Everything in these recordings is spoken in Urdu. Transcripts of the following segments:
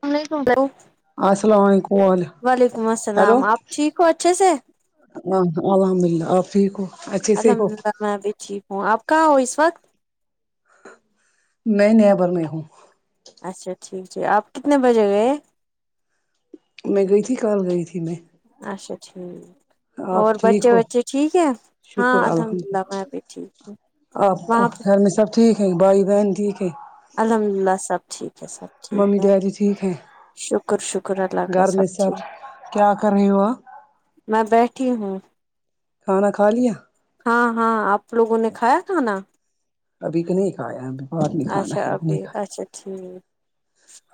س نہیں سن السلام علیکم وعل [inaudible] وعلیکم السلام آپ ٹھیک ہو اچھے سے ہ الحمد للہ آپ ٹھیک ہو اچھے سے ہو الحمد للہ میں بھی ٹھیک ہوں آپ کہاں ہو اس وقت [unintelligible] میں نیابر میں ہوں اچھا ٹھیک ٹھیک آپ کتنے بجے گئے [unintelligible] میں گئی تھی کال گئی تھی میں [unintelligible] اچھا ٹھیک [unintelligible] آپ اور ٹھیک بچے ہو بچے ٹھیک ہے ہاں الحمد للہ میں بھی ٹھیک ہ آپ کو گھر میں سب ٹھیک ہے بھائی بہن ٹھیک ہے الحمد للہ سب ٹھیک ہے سب ممی ڈیڈی ٹھیک ہے شکر شکر اللہ کا گھر میں سب کیا کر رہی ہو میں بیٹھی ہوں کھانا کھا لیا ہاں ہاں آپ لوگوں نے کھایا کھانا ابھی کہ نہیں کھایا ہم اچھا ابھی اچھا ٹھیک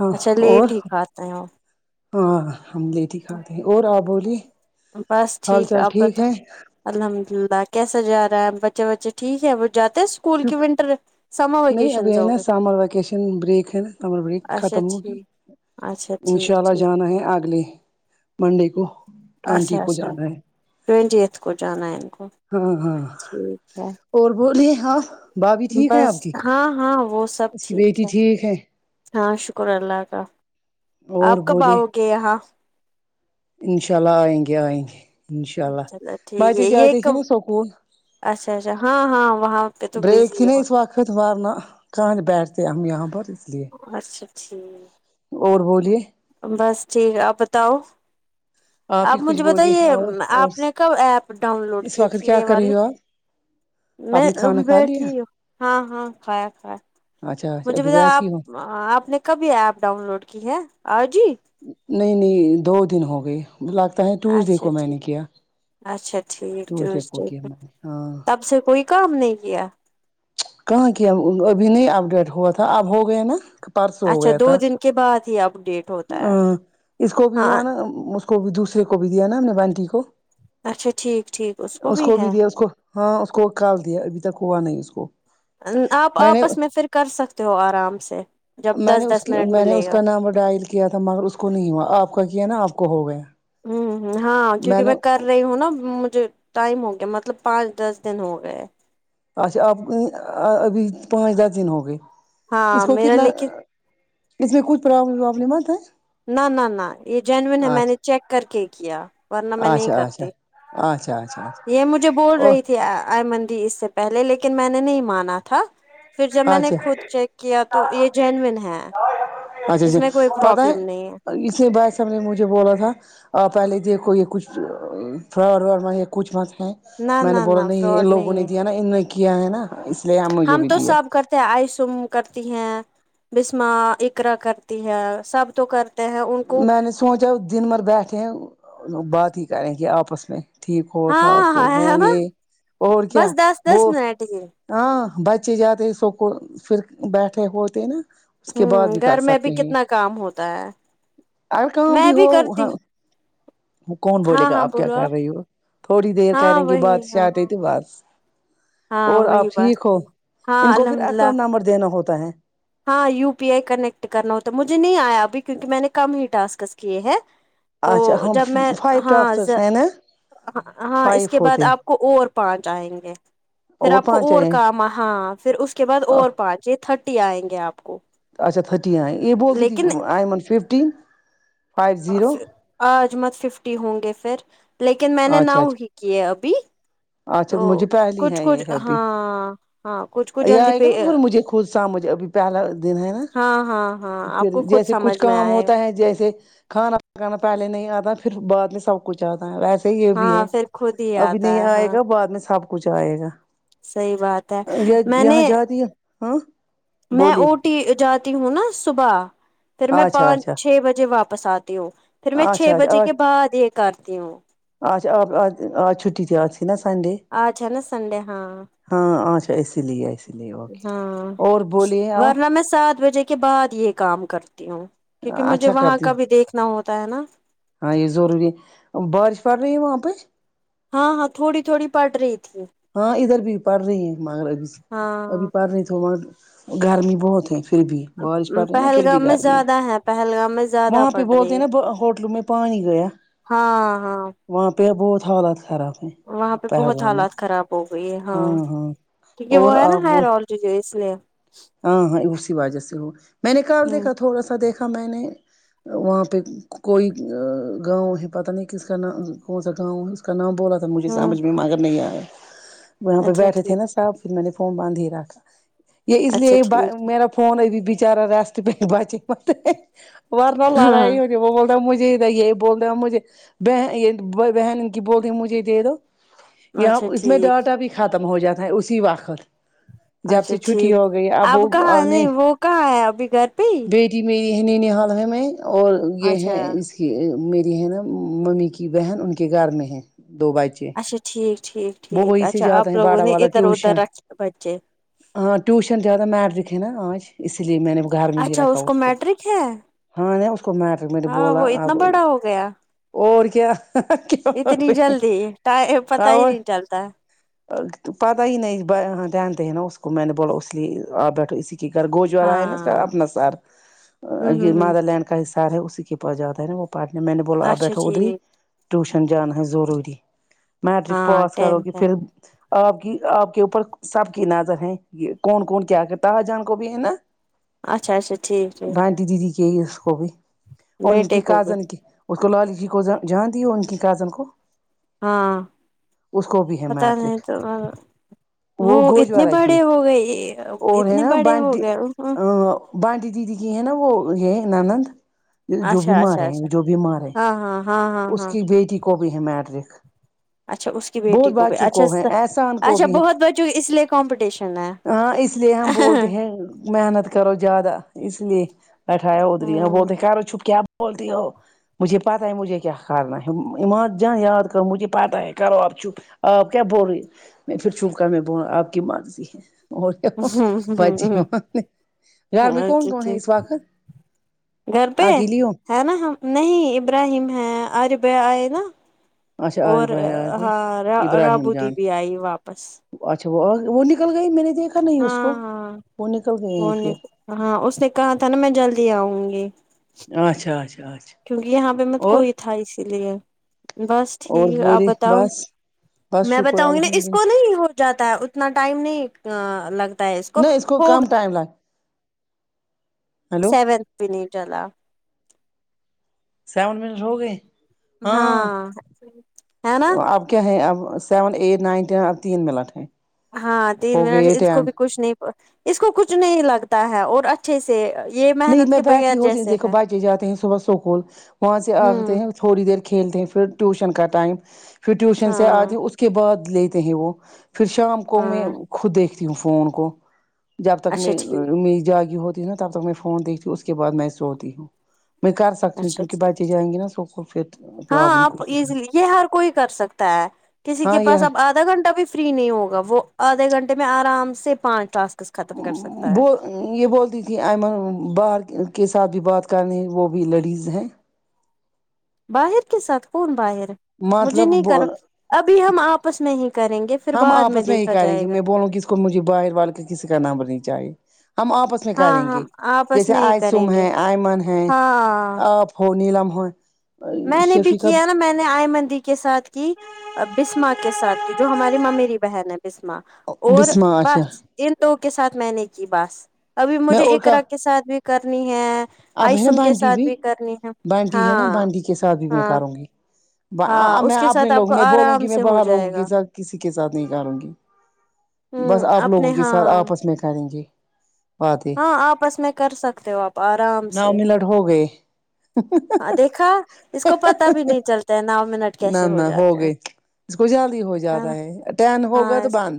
ہاں اچھا لیٹ اور ہی کھاتے ہیں وہ ہاں ہم لیٹ ہی کھاتے ہیں اور آپ بولی بس حال چال آپ ٹھیک بت ہے الحمد للہ کیسا جا رہا ہے بچے بچے ٹھیک ہے وہ جاتے اسکول کی شکر ونٹر سمر نہیں ابھی ویکیشنز ہے ہو نا گئے سامر ویکیشن بریک ہے سامر بریک اچھا ختم ہوگی ٹھیک اچھا ٹھیک انشاء اللہ ٹھیک جانا ہے اگلے منڈے کو اچھا ٹوینٹی کو اچھا جانا ہے ٹوینٹیت کو جانائن گ ہاں ہاں اور بولیے ہاں بھا بی ٹھیک ہے آپ بس کی ہاں ہاں وہ سب اس کی بیٹی ٹھیک ہے ہاں شکر اللہ کا اور آپ کب بولے آؤ گے یہاں انشاء اللہ آئیں گے آئیں گے انشاء اللہ چلو ٹھیک بچے ہے یہ جاتدے تھے کب نا سکول اچھا اچھا ہاں ہاں وہاں پہ تو بزی ہی ہو اتوار نا کان بیٹھ کے ہم یہاں پر لیے اچھا ٹھیک اور بولیے بس ٹھیک آپ بتاؤ ہی آپ کچھ مجھے بولیے بتائیے اور اور آپ نے کب ایپ ڈاؤن لوڈ اس کی وقت تھی کیا یہ کر والے رہی ہو آپ آپ میں نے ا کھانا بھی کھا لیا بیٹھی ہ ہاں ہاں کھایا کھایا اچھا اچھا مجھے ابھی بتا بیچ آپ ہی ہو آپ نے کبھی ایپ ڈاؤن لوڈ کی ہے آ جی نہیں نہیں دو دن ہو گئے لگتا ہے ٹوزڈے اچھا کو میں ٹھیک نے کیا اچھا ٹھیک کو ٹیوزڈے کیا میں نے ہاں تب سے کوئی کام نہیں کیا کہاں کیا ابھی نہیں اپڈیٹ ہوا تھا اب ہو گیا نا پارسو ہو اچھا گیا دو تھا دن کے بعد ہی اپڈیٹ ہوتا ہے ا اس کو بھی ہوا ہاں نا م کو بھی دوسرے کو بھی دیا نا ہم نے بانٹی کو اچھا ٹھیک ٹھیک اس کو بھی ہے دیا اس کو ہاں اس کو کال دیا ابھی تک ہوا نہیں اس کو آپ آپس میں پھر کر سکتے ہو آرام سے جب دس دس منٹ ملے گا نامبر ڈائ کیا تھا مگر اس کو نہیں ہوا آپ کا کیا ہے نا آپ کو ہو گیا ہوں ہ ہاں کیوں کہ میں کر رہی ہوں نا مجھے ٹائم ہو گیا مطلب پانچ دس دن ہو گئے اچھا آپ ابھی پانچ دس دن ہوگئے اس ہاں کو میرا کتنا لیکن اس میں کچھ پرابلم وابلم مت ہیں نہ نہ نہ یہ جینوون ہے میں نے چیک کر کے کیا ورنہ میں نہیں اچھا اچھا اچھا کرتی اچھا اچھا اچھا یہ مجھے بول او رہی تھی آئی مندی اس سے پہلے لیکن میں نے نہیں مانا تھا پھر جب اچھا میں نے اچھا خود چیک کیا تو یہ جینوین ہے اچھا اس اچھا میں کوئی پتا ہے پرابلم نہیں اسی بھائی صاحب نے مجھے بولا تھا اور پہلے دیکھو یہ کچھ فلاور وور م یا کچھ مت ہے نہ میں نے نہ بولا نہ نہیں ان فراڈ لوگوں نے ہے دیا نا انوں کیا ہے نا اس لیے آ مجھے بھی دیا آئیسوم کرتی ہیں بسما اکرا کرتی ہے سب تو کر ہیں ان کو میں نے سوچا دن بھر بیٹھیں بات ہی کریں کہ آپس میں ٹھیک ہو ٹھاک ہاں ہو ہاں ہو ہے نا یہ اور کیا بس دس دس وہ منٹ ہی ہ ہاں بچے جاتے سک پھر بیٹھے ہوتے نا اس کے بعد بھی کر گھر میں سکتے ہیں کتنا کام ہوتا ہے اور کہاں میں بھی ہو کرتی ہاں ہوں۔ وہ کون بولے ہاں گا ہاں آپ کیا بولو کر رہی ہو تھوڑی دیر ہاں کریں گی وہی باتشاہ ہاں آت ت بس ہاں اور وہی آپ بات ٹھیک ہو ان ہاں کو پھر الحمد للہ اکاؤنٹ نمبر دینا ہوتا ہے ہاں یو پی آئی کنیکٹ کرنا ہوتا مجھے نہیں آیا ابھی کیونکہ میں نے کم ہی ٹاسک کیے ہیں اچھا تو ہم جب میں فائیو ہاں ٹاسک ہے نا ہاں فائیو اس کے بعد ہوتے آپ آ کو اور پانچ آئیں گے پھر آپ کو پانچ اور آئے کام ہاں پھر اس اس کے بعد اور پانچیں تھرٹی آئیں گے آپ کو اچا تھٹین آ یہ بولتی تھی لیکن آئن ففٹین فائیو زیرو آجمت ففٹی ہوں گے پھر لیکن میں نے اچھا ناؤ ہی اچھا کیے ابھی اچھا تو مجھے پہلی کچھ ہے کچھ یہ ابھی ہاں ہاں کچھ کچھ یہ جلدی آئے گا پہ نا پھر مجھے خود سا مجھے ابھی پیالا دن ہے نا ہاں ہاں ہاں پھر آپ کو خود جیسے کچھ سمجھ میں کام آئے ہوتا ہے جیسے کھانا پکانا پہلے نہیں آتا پھر بعد میں سب کچھ آتا ہے ویسے ہی یہ بھی ہے ہاں پھر خود ہی ابھی آتا نہیں ہے آئے گا بعد میں سب کچھ آئے گا صحی بات ہے یہ میں نے یہاں جاتی ہے ہاں میں بولیے جاتی ہوں نا صبح پھر میں اچھا پانچ اچھا چھ بجے واپس آتی ہوں پھر میں چھ اچھا بجے کے بعد یہ کرتی ہوں آج آپج آج چھٹی ت آجی نا سنڈے آ چین سڈے ہاں ہاں اچھا اسی لیے لیے اوکے ہاں اور بولیے آپ ورنہ میں سات بجے کے بعد یہ کام کرتی ہوں کیونکہ مجھے اچھا وہاں کرتی کا ہو بھی دیکھنا ہوتا ہے نا ہاں یہ ضروری بارش پڑ رہی ہے وہاں پہ ہاں ہاں تھوڑی تھوڑی پڑ رہی تھی ہاں ادھر بھی پڑھ رہی ہیں مگر ابھی ابھی ہاں پڑھ رہی تو م گرمی بہت ہے پھر بھی بارش پڑ رہی نا پھر بھی پہلگام گھر میں زیادہ ہے پہلگام میں زیادہ وہاں پہ پڑ بولتے رہی ہیں ہے نا ہوٹلوں میں پانی گیا ہاں ہاں وہاں پہ بہت حالات خراب ہے وہاں پہ بہت پہلگام میں حالات خراب ہو گئی ہے ہاں کیونکہ وہ اور ہے نا آپ ہے رول جو جو اس لیے ہاں ہاں اسی وجہ سے ہو میں نے کال ہوں دیکھا تھوڑا سا دیکھا میں نے وہاں پہ کوئی گاؤں ہے پتہ نہیں کس کا ن کون سا گاؤں ہے کاناام بولا تھا مجھے ہوں سمجھ میں مگر نہیں آیا وہاں پہ اچھا بیٹھے تھے ٹھیک نا صاحب پھر میں نے فون باندھ ہی رکھا یہ اس اچھا لیے ٹھیک میرا فون ا بھی بچارا ریسٹ پہ بچے م بار نہ لارا ہی ہاں ہو ج وہ مجھے اھر یہی بول رہے ہو مجھے ب بہن کی بول رہ مجھے دے دو [inaudible] اچھا اس میں ٹھیک ڈاٹا بھی ختم ہو جاتا ہے اسی واقت جب سے چھٹی ہوگی اب کہاں نہیں وہ کہاں ہے ابھی گھر پہ ہی بیٹی میری ہے نین حال ہے میں اور یہ ہے اچھا اس [inaudible] کہ میری ہے نا ممی کی بہن ان کے گھر میں ہے دو بچے [inaudible] وہ وہی سے جاتا ہے باڑا والا ٹیوشن [inaudible] ہاں ٹیوشن زیادہ میٹ دکھے نا آج اسی لیے میں نے گھر میں ہی اچھا رکھا اس کو میٹرک ہے ہاں نہیں اس کو میٹر میں نے ہاں بولا وہ اتنا اب بڑا ہو گیا اور کیا کیا اتنی جلدی ٹ پت ہی اور نہیں چلتا پتا ہی نہیں دھیان د ہیں نا اس کو میں نے بولو اس لیے آپ بیٹھو اسی کر گوجارا ہے نا ہاں اپنا سر ہوں یہ ہوں ہوں مادر لینڈ کا حساب ہے اسی کے پاس جاتا ہے نا وہ پارٹ میں نے بولا آپ اچھا بیٹھا ادری ٹھیک ٹیوشن جانا ہے ضروری میٹرک ہاں پاس کرو گ ٹینتھ ہے پھر آپ کی آپ کے اوپر سب کی نظر ہے کون کون کیا کرتا جان کو بھی ہے نا اچھا اچھا ٹھیک ٹھیک بانٹی دیدی کےی اس کو بھی [inaudible] اور ان کی بیٹے کو بھی کازن کی اس کو لالی جی کو جاں دی ان کی کازن کو ہاں اس کو بھی ہے پتا نہیں میٹرک تو وہ اتنے گوجوارہ کی بڑے ہو گئے اتنے بڑے ہو گئے [inaudible] بانٹیے د تی کہین نہا وہ یہ نندند [inaudible] جو بھی اچھا مارے اچھا ہیں اچھا جو بھی مار رہے ہاں ہاں ہاں ہاں اس ہاں کی بیٹی کو بھی ہے میڈرک [inaudible] اچھا اس کی بیٹی کو بھی اچھا ہے احسان کو اچھا بھی ہے بہت بچوں کی اس لیے کمپٹیشن ہے ہاں اس لیے ہم ہ بولتے ہیں محنت کرو زیادہ اس لیے بیٹھایا ادری ہے بولتے کہ رہو چپ کیا بولتی ہو مجھے پت ہے مجھے کیا کرنا ہے ایمار جان د کر مجھے پت ہے کرو آپ چوپ آپ کیا بول رہے ہیں پھر چوپ کر میں بول رہا آپ کی مرضی ہے اوبچ ار بھی کون کون ہے اس وقت [inaudible] گھر پہ اکیلی ہو ہے نا ہم نہیں ابراہیم ہیں آر ب آئے نا اچھا اور عارف بھائی آ گئے ہاں ابراہیم رابو دی جان بھی آئی واپس [inaudible] اچھا وہ وہ نکل گئی میں نے دیکھا نہیں ہاں اس کو ہاں وہ نکل گئے ہیں وہ نے پھر ہاں اس نے کہا تھا نا میں جلدی آؤں گی اچھا اچھا اچھا کیونکہ یہاں پہ مت کوئی اور تھا اسی لیے بس اور ٹھیک آپ بولی بتاؤ بس بس میں شکر بتاؤں گی نا الحمد اس کو للہ نہیں جاتا ہے اتنا ٹائم نہیں لگتا ہے اس کو ہوگ ٹائم لگ [inaudible] ہیلو سیونتھ بھی چلا [inaudible] سیون منٹ ہو گئے [inaudible] ہاں ہے نا اب کیا ہے اب سیون اے نائن ٹین اب تین میں لٹیں [inaudible] ہاں تین منٹ اس کو بھی کچھ نہیں اس کو کچھ نہیں لگتا ہے اور اچھا چیسے یہ [inaudible] نہیں میں بغیر بیٹھی ہوتی جیسے دیکھو ہے بچے جاتے ہیں صبح سکول وہاں سے آتے ہوں ہیں تھوڑی دیر کھیلتے ہیں پھر ٹیوشن کا ٹائم پھر ٹیوشن ہاں سے آتی اس کے بعد لیتے ہیں وہ پھر شام کو میں ہاں خود دیکھتی ہوں فون کو جب تک اچھا میں ٹھیک میری جاگی ہوتی نا تب تک میں فون دیکھتی ہوں اس کے بعد میں سوتی ہوں [inaudible] میں کر سکتی ہوں اچھا کیونکہ ٹھیک بچے جائیں گے نا س ہاں پرابلم آپ کچھ نہیں ہے ایزلی یہ ہر کوئی کر سکتا ہے کسی کے پس اب آ آدھا گھنٹہ بھی فری نہیں ہوگا وہ آدھے گھنٹے میں آرام سے پانچ ٹاسک ختم کر سکتا ہے وہ یہ بولتی تھی ایمن بار کے ساتھ بھی بات کرنے وہ بھی لیڈیز ہیں باہر کے ساتھ کون باہر مجھے مطلب نہیں کرو ابھی ہم آپس میں ہی کریں گے پھر ہم بعد آپس میں یہ دیکھا کہ رہیں گے کہ جائے گا میں بولوں گ کہ اس کو مجھے باہر والال کے کسی کا نامرنی چاہے ہم آپس ن ہاں کریں گے ہم آپس جیسے میں ہی آئی کریں سوم گے ہے آئ من ہے ہاں آپ ہو نیلم ہو میں نے بھی شفیقہ کیا نا میں نے آئی مندی کے ساتھ کی بسما کے ساتھ کی جو ہماری ماں میری بہن ہے بسما اور بسما آشا بس ان دو کے ساتھ میں نے کی بس ابھی میں مجھے اور اکر کا کے ساتھ بھی کرنی ہے اب ہے نا آئیسوم کے بانٹی ساتھ بھی کرنی ہے بانٹی ہے نا ہاں بانٹی کے ساتھ بھی میں ہاں کراروں گی ہاں میں اس کے اپنے ساتھ آپ کو لوگوں میں بولوں آرام گی میں سے ہو باہر لوگوں جائے گا کے ساتھ کسی کے ساتھ نہیں کرالوں گی ہ بس آپ لوگوں اپنے کے ساتھ ہاں آپس میں کریں گے بات ہاں آپ اس میں کر سکتے ہو آپ آرام نو سے منٹ ہو گئے ہاں دیکھا اس کو پتا بھی نہیں چلتا ہے نو منٹ کیسے ہو جاتے ہیں ج کو جلد ہی ہو جاتا ہے اٹین ہوگا ہاں تو اس کو بند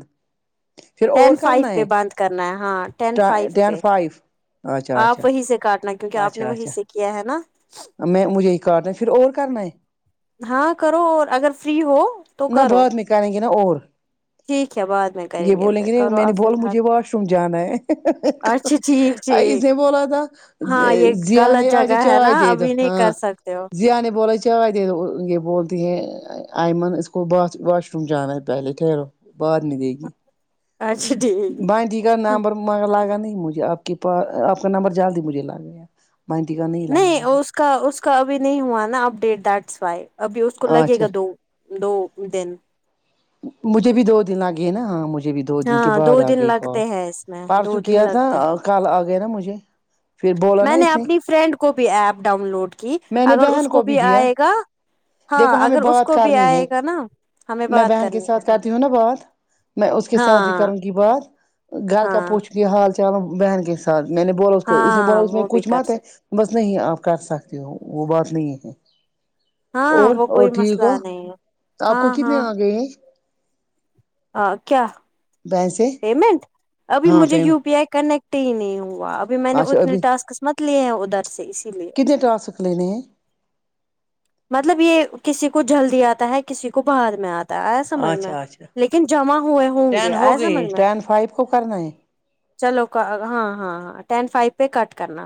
پھر ٹین اور فائیو کرنا پہ ہے بند کرنا ہے ہاں ٹین فائیو پہ ٹین فائیو اچھا اچھا آپ وہیں سے کاٹنا کیونکہ آپ نے اچھا وہی اچھا سے کیا ہے نا میں مجھے ہی کاٹنا ہے پھر اور کرنا ہے ہاں کرو اور اگر فری ہو تو نہ کرو بعد میں کریں گے نا اور ٹھیک ہے بعد میں کریں یہ بولیں پھر گے کرو میں نے آپ فی بولا الحال مجھے واش روم جانا ہے اچھا ٹھیک [unintelligible] اس ٹھیک نے بولا تھا ہاں یہ جیا غلط نے آج جگہ ہے نا چائے دے دو ابھی نہیں ہاں کر سکتے ہو دانے بول جاہائے یہ بولتے ہیں آئمن وھ واش روم جانا ہے پہےٹیرو باہر نہیں دے گی اچھا ٹھیک ہے بانٹی نمبر لگا نہیں مجھے آپ کی آپ کا نمبر جلدی مجھے لا گیا مائٹی کاانی [unintelligible] نہیں اس کا اس کا ابھی نہیں ہوا نا اپ ڈیٹ دیٹ وائی ابھی اس کو لگے اچھا گا دو دو دن مجھے بھی دو دن لگے نا ہاں مجھ مجھ بھی دو دن کے ہاں بعد دو آ دن گئی کال لگتے ہیں اس میں پرارسو دو دن کیا تھا لگتے ہیں کل آ گیا نا مجھے پھر بولا نا میں نے اس اپنی فرینڈ کو بھی ایپ ڈاؤن لوڈ کی میں نے اگر اس بہن کو بھی دیا آئے گا ہاں دیکھو ہمیں اگر اس بات کو بھی کرنی ہے آئے گا نا ہمیں میں بات بہن کے کرنی ساتھ ہے ہاں کرتی ہوں نا بات میں اس کے ساتھ بھی ہاں کروں گی بات گھر کا ہاں پوچھ بھی حال چال بہن کے ساتھ س میں نے بولا اس کو اس نے بولا ہاں اس میں وہ بھی کچھ کر مات ہے سک بس نہیں آپ کر سکتے ہو وہ بات نہیں ہے ہاں اور وہ اور کوئی ٹھیک ہو مسئلہ نہیں ہے آپ کو ہاں کتنے آ گئے ہیں کیا کیا بس پیمنٹ ابھی مجھے یو پی آئی کنیکٹ ہی نہیں ہوا اب ابھی میں نے اچھا اتنے ابھی ٹاسکس مت لیے ہیں ادھر سے اسی لیے کتنے ٹاسک لینے مطلب یہ کسی کو جلدی آتا ہے کسی کو بر میں آتا آئے سمجھ میں اچھا اچھا لیکن جمع ہوئے ہوں گے ٹین ہو آئے سمجھ گئی میں ٹین فائیو کو کرنا ہے چلو ہاں ہاں ہاں ٹین فائیو پہ کٹ کرنا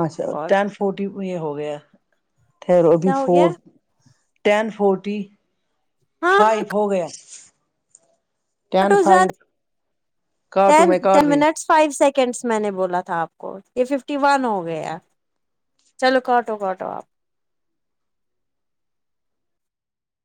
اچھا کال ٹین فورٹی یہ ہو گیاب کیا ہو فور گیا ٹین فورٹی ہاں ہاں فائیو ہو گیا مٹ فو ٹین فائیو سیکڈ کاٹو میں [unintelligible] کاٹ رہی ہوں ڈ میں نے بولا تھا آپ کو یہ ففٹی ون ہو گیا چلو کاٹو کوٹو آپ